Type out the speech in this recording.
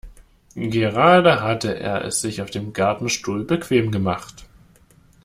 Gerade hatte er es sich auf dem Gartenstuhl bequem gemacht.